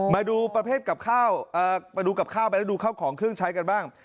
มาดูประเภทกับข้าวไปดูข้าวของเครื่องใช้กันบ้าง